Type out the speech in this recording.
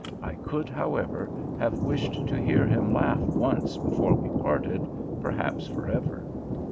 I could, however, have wished to hear him laugh once before we parted, perhaps forever.